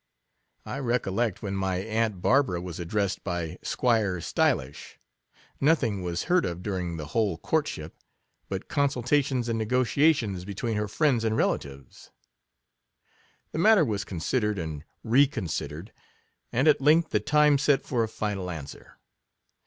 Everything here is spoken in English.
I recollect when my Aunt Bar bara was addressed by 'Squire Stylish; no 3 thing was heard of during the whole court ship, but consultations and negotiations be tween her friends and relatives; the matter was considered and re considered, and at length the time set for a final answer.